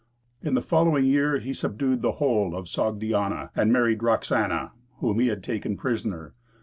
In the following year he subdued the whole of Sogdiana, and married Roxana, whom he had taken prisoner.